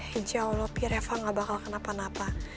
haji allah pi reva gak bakal kenapa napa